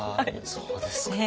そうですか。